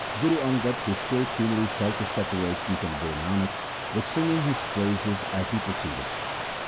Guru Angad, who still keenly felt his separation from Guru Nanak, was singing his praises as he proceeded.